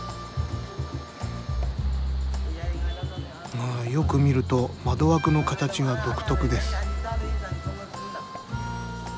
ああよく見ると窓枠の形が独特です。